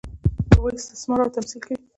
هغوی استثمار کړي او تمثیل کوي.